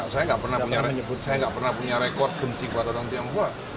saya tidak pernah punya rekor benci kepada orang tionghoa